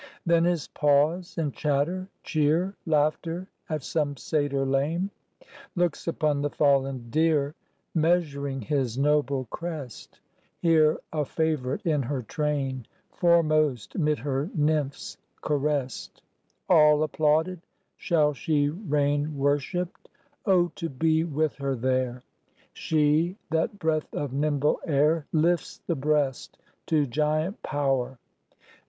Then is pause and chatter, cheer, Laughter at some satyr lame, Looks upon the fallen deer, Measuring his noble crest; Here a favourite in her train, Foremost mid her nymphs, caressed; All applauded. Shall she reign Worshipped? O to be with her there! She, that breath of nimble air, Lifts the breast to giant power.